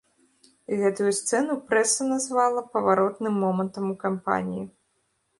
Гэтую сцэну прэса назвала паваротным момантам у кампаніі.